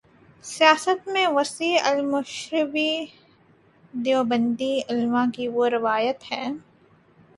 سیاست میں وسیع المشربی دیوبندی علما کی وہ روایت ہے۔